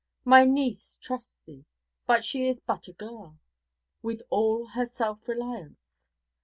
My niece trusts thee, but she is but a girl, with all her self reliance.